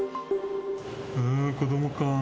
子どもかぁ。